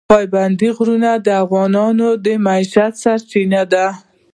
پابندی غرونه د افغانانو د معیشت سرچینه ده.